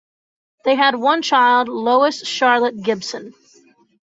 They had one child, Lois Charlotte Gibson.